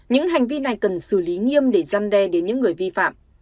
những hành vi này cần xử lý nghiêm để gian đe đến những người vi phạm